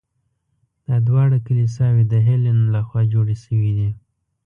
دا دواړه کلیساوې د هیلن له خوا جوړې شوي دي.